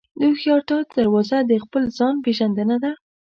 د هوښیارتیا دروازه د خپل ځان پېژندنه ده.